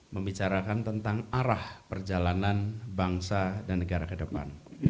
membicarakan tentang arah perjalanan bangsa dan negara ke depan